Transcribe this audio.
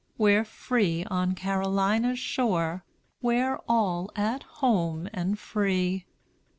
We're free on Carolina's shore, We're all at home and free.